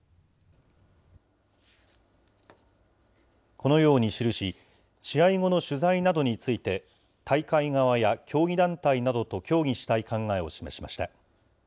このように記し、試合後の取材などについて、大会側や競技団体などと協議したい考えを示しました。